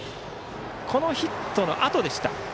このヒットのあとでした。